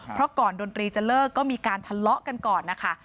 เพราะก่อนดนตรีจะเลิกก็มีการทะเลาะกันก่อนนะคะ